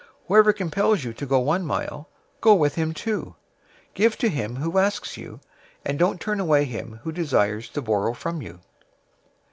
005:041 Whoever compels you to go one mile, go with him two. 005:042 Give to him who asks you, and don't turn away him who desires to borrow from you.